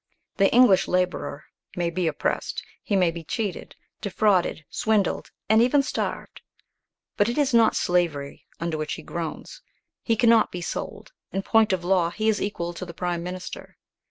The English labourer may be oppressed, he may be cheated, defrauded, swindled, and even starved; but it is not slavery under which he groans. He cannot be sold; in point of law he is equal to the prime minister.